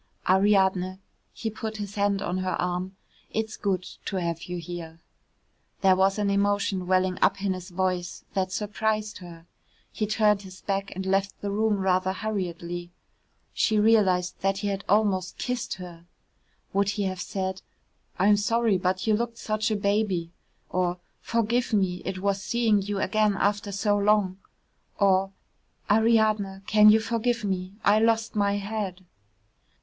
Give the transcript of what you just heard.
"Ariadne," he put his hand on her arm, "it's good to have you here." There was an emotion welling up in his voice that surprised her. He turned his back and left the room rather hurriedly. She realised that he had almost kissed her. Would he have said, "I'm sorry, but you looked such a baby," or, "Forgive me, it was seeing you again after so long," or, "Ariadne, can you forgive me? I lost my head."